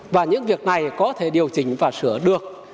và những việc này có thể điều chỉnh và sửa được